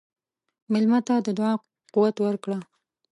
مېلمه ته د دعا قوت ورکړه.